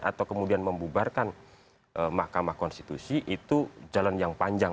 atau kemudian membubarkan mahkamah konstitusi itu jalan yang panjang